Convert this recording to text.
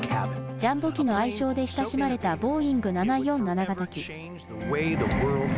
ジャンボ機の愛称で親しまれたボーイング７４７型機。